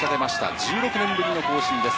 １６年ぶりの更新です。